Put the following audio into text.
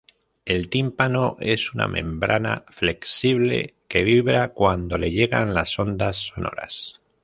El tímpano es una membrana flexible que vibra cuando le llegan las ondas sonoras.